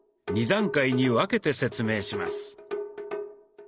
２段階に分けて説明します。